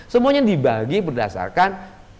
semuanya dibagi berdasarkan